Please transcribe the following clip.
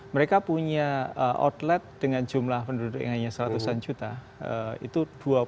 mereka punya outlet dengan jumlah penduduk yang hanya seratusan juta itu dua puluh